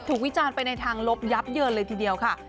วิจารณ์ไปในทางลบยับเยินเลยทีเดียวค่ะ